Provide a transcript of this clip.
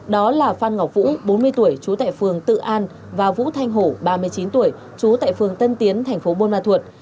đó là phan ngọc vũ bốn mươi tuổi chú tại phường tự an và vũ thanh hổ ba mươi chín tuổi chú tại phường tân tiến thành phố bô ma thuộc